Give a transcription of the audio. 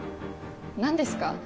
何ですか？